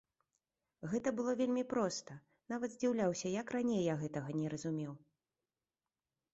Гэта было вельмі проста, нават здзіўляўся, як раней я гэтага не разумеў.